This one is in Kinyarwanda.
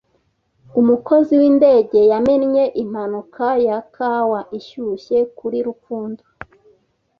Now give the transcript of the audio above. Umukozi windege yamennye impanuka ya Kawa ishyushye kuri Rukundo.